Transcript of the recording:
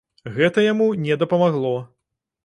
Гэта яму не дапамагло.